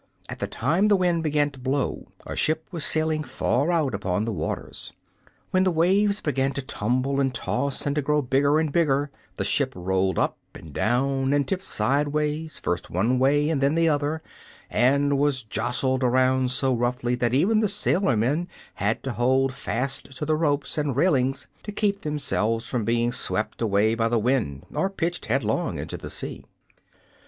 At the time the wind began to blow, a ship was sailing far out upon the waters. When the waves began to tumble and toss and to grow bigger and bigger the ship rolled up and down, and tipped sidewise first one way and then the other and was jostled around so roughly that even the sailor men had to hold fast to the ropes and railings to keep themselves from being swept away by the wind or pitched headlong into the sea.